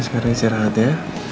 sekarang istirahat ya